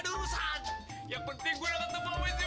gua agak derusan